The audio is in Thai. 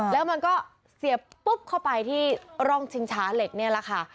แล้วมันก็เสียบปุ๊บเข้าไปที่ร่องชิงช้าเหล็กนี่แหละค่ะ